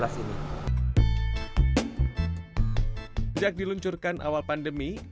sejak diluncurkan awal pandemi